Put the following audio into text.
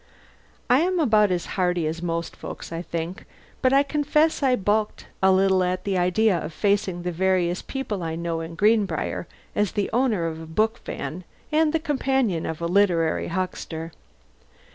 I am about as hardy as most folks, I think, but I confess I balked a little at the idea of facing the various people I know in Greenbriar as the owner of a bookvan and the companion of a literary huckster.